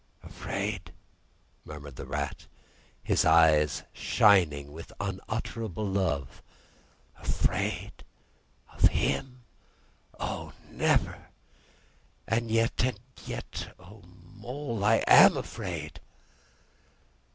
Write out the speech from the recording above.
"Afraid?" murmured the Rat, his eyes shining with unutterable love. "Afraid! Of Him? O, never, never! And yet—and yet—O, Mole, I am afraid!"